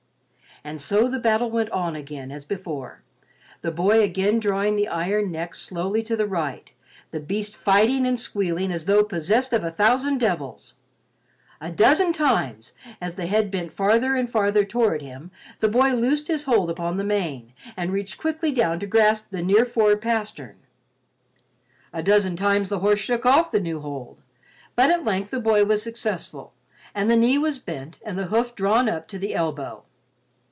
And so the battle went on again as before, the boy again drawing the iron neck slowly to the right—the beast fighting and squealing as though possessed of a thousand devils. A dozen times, as the head bent farther and farther toward him, the boy loosed his hold upon the mane and reached quickly down to grasp the near fore pastern. A dozen times the horse shook off the new hold, but at length the boy was successful, and the knee was bent and the hoof drawn up to the elbow.